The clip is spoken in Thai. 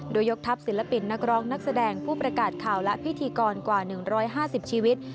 โดยยกทัพศิลปินนักร้องนักแสดงผู้ประกาศข่าวและพิธีกรกว่า๑๕๐ชีวิต